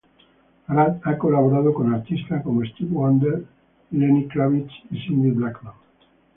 Arad ha colaborado con artistas como Stevie Wonder, Lenny Kravitz y Cindy Blackman.